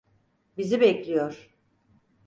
Bizi bekliyor.